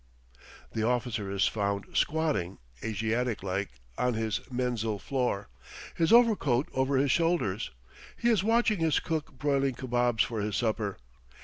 The officer is found squatting, Asiatic like, on his menzil floor, his overcoat over his shoulders. He is watching his cook broiling kabobs for his supper.